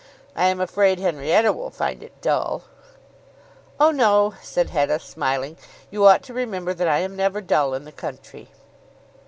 I am afraid Henrietta will find it dull." "Oh no," said Hetta smiling. "You ought to remember that I am never dull in the country."